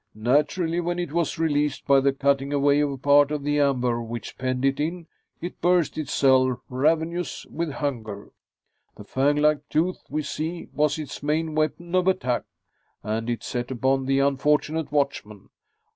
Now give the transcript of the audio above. Naturally, when it was released by the cutting away of part of the amber which penned it in, it burst its cell, ravenous with hunger. The fanglike tooth we see was its main weapon of attack, and it set upon the unfortunate watchman.